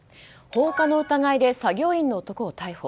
放火の疑いで作業員の男を逮捕。